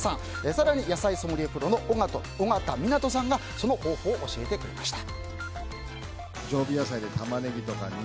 更に野菜ソムリエプロの緒方湊さんがその方法を教えてくれました。